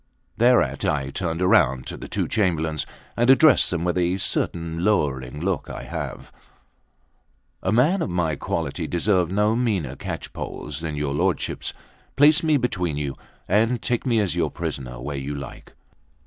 Thereat I turned round to the two Chamberlains, and addressed them with a certain lowering look I have: "A man of my quality deserved no meaner catchpoles than your lordships: place me between you, and take me as your prisoner where you like."